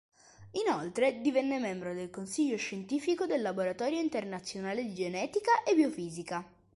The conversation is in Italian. Inoltre divenne membro del consiglio scientifico del Laboratorio Internazionale di Genetica e Biofisica.